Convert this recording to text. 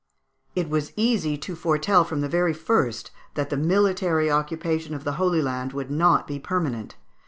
It was easy to foretell, from the very first, that the military occupation of the Holy Land would not be permanent.